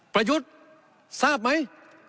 ประยุทธ์ทราบไหม